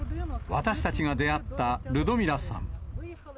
私たちが出会ったルドミラさん。